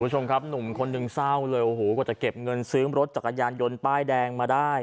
คุณผู้ชมครับหนุ่มคนหนึ่งเศร้าเลยโอ้โหกว่าจะเก็บเงินซื้อรถจักรยานยนต์ป้ายแดงมาได้